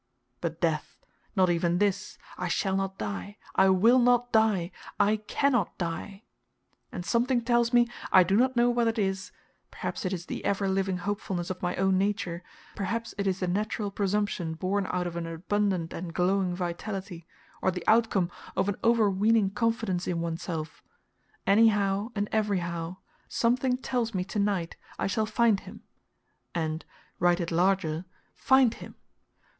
But death not even this; I shall not die, I will not die, I cannot die! And something tells me, I do not know what it is perhaps it is the ever living hopefulness of my own nature, perhaps it is the natural presumption born out of an abundant and glowing vitality, or the outcome of an overweening confidence in oneself anyhow and everyhow, something tells me to night I shall find him, and write it larger FIND HIM!